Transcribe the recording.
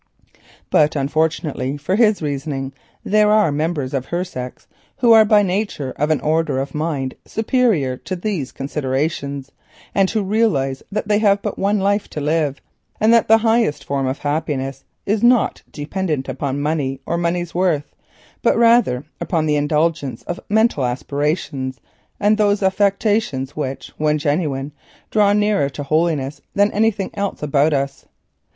But, unfortunately for his reasoning, there exist members of her sex who are by nature of an order of mind superior to these considerations, and who realise that they have but one life to live, and that the highest form of happiness is not dependent upon money or money's worth, but rather upon the indulgence of mental aspirations and those affections which, when genuine, draw nearer to holiness than anything else about us.